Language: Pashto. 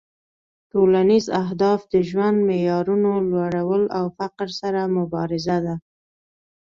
ټولنیز اهداف د ژوند معیارونو لوړول او فقر سره مبارزه ده